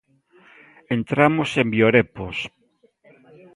Entramos en Biorepos.